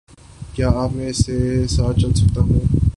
کیا میں آپ کے ساتھ چل سکتا ہوں؟